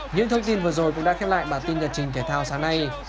những thông tin vừa rồi cũng đã khép lại bản tin nhật trình thể thao sáng nay